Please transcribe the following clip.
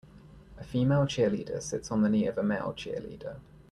A female cheerleader sits on the knee of a male cheerleader.